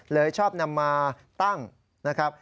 ชอบนำมาตั้งนะครับ